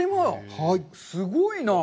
すごいなあ。